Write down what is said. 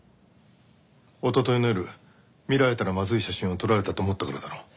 おとといの夜見られたらまずい写真を撮られたと思ったからだろ。